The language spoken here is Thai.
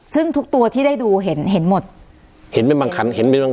ซึ่งทุกตัวที่ได้ดูเห็นเห็นหมดเห็นเป็นบางขันเห็นเป็นบาง